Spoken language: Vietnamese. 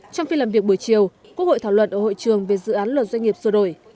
trong phiên làm việc buổi chiều quốc hội thảo luận ở hội trường về dự án luật doanh nghiệp sửa đổi